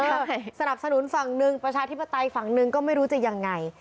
ใช่สนับสนุนฝั่งหนึ่งประชาธิปไตยฝั่งหนึ่งก็ไม่รู้จะยังไง